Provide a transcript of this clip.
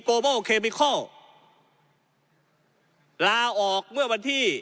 โกบัลเคมิเคลลาออกเมื่อวันที่